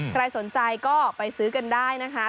ใครสนใจก็ไปซื้อกันได้นะคะ